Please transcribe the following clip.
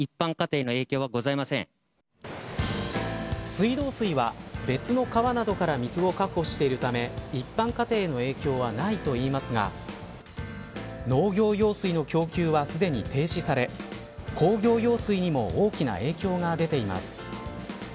水道水は別の川などから水を確保しているため一般家庭への影響はないといいますが農業用水の供給はすでに停止され工業用水にも大きな影響が出ています。